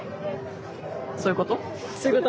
そういうこと。